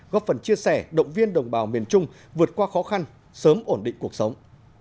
góp phần chia sẻ động viên đồng bào miền trung vượt qua khó khăn sớm ổn định cuộc sống